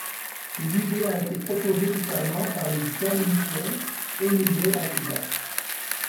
L'idée a été proposée initialement par les galiciens émigrés à Cuba.